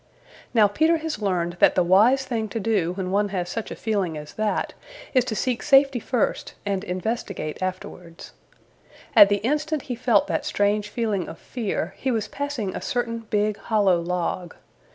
Now Peter has learned that the wise thing to do when one has such a feeling as that is to seek safety first and investigate afterwards. At the instant he felt that strange feeling of fear he was passing a certain big, hollow log.